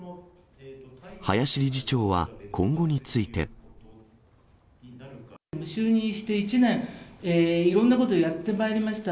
林理事長は今後について。就任して１年、いろんなことをやってまいりました。